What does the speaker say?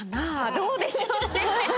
どうでしょうね？